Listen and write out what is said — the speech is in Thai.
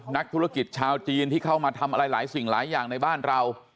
นักธุรกิจชาวจีนที่เข้ามาทำอะไรหลายสิ่งหลายอย่างในบ้านเรา